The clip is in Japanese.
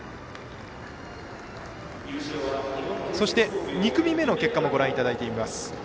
そして、２組目の結果もご覧いただきます。